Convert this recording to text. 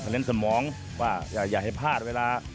เน้นสมองว่าอย่าให้พลาดเวลา